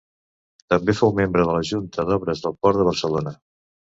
També fou membre de la Junta d'Obres del Port de Barcelona.